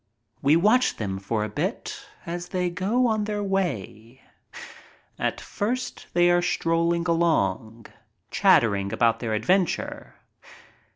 We watch them for a bit as they go on their way. At first they are strolling along, chattering about their adven ture.